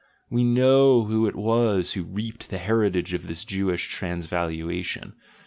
We know who it was who reaped the heritage of this Jewish transvaluation.